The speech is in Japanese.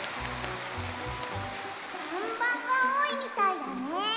３ばんがおおいみたいだね。